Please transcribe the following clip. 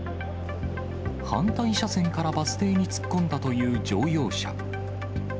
反対車線からバス停に突っ込んだという乗用車。